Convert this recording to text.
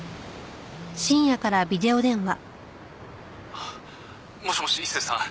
「あっもしもし一星さん。